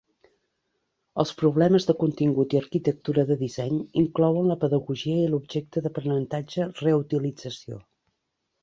Els problemes de contingut i arquitectura de disseny inclouen la pedagogia i l'objecte d'aprenentatge reutilització.